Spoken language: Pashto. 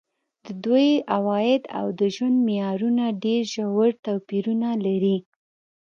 د دوی عواید او د ژوند معیارونه ډېر ژور توپیرونه لري.